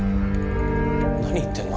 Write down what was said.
何言ってんの？